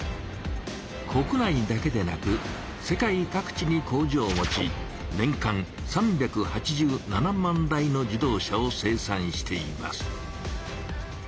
国内だけでなく世界各地に工場を持ち年間３８７万台の自動車を生産しています。